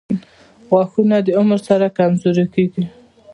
• غاښونه د عمر سره کمزوري کیږي.